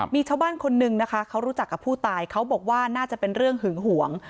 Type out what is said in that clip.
มีชาวบ้านคนนึงนะคะเขารู้จักกับผู้ตายเขาบอกว่าน่าจะเป็นเรื่องหึงหวง